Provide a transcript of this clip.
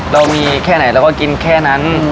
เราก็กินแค่นั้น